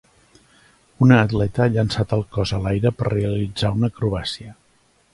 Una atleta ha llançat el cos a l'aire per realitzar una acrobàcia.